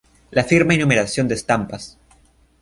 La firma y numeración de estampas.